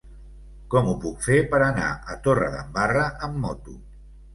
Com ho puc fer per anar a Torredembarra amb moto?